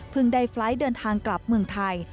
ได้ไฟล์ทเดินทางกลับเมืองไทย